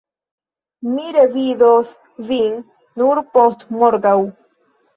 Mi revidos vin nur postmorgaŭ.